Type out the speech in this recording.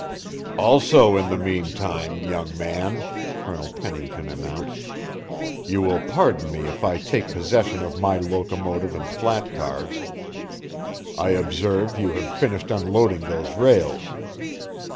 "Also in the meantime, young man," Colonel Pennington announced, "you will pardon me if I take possession of my locomotive and flat cars. I observe you have finished unloading those rails."